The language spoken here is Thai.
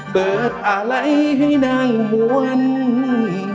เปิดอาลัยให้นางมวล